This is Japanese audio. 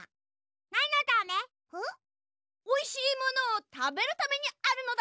おいしいものをたべるためにあるのだ！